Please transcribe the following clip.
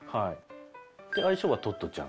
「愛称は“トットちゃん”」